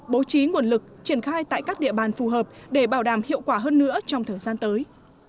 bố trí nguồn lực triển khai tại các địa bàn phù hợp để bảo đảm hiệu quả hơn nữa trong thời gian tới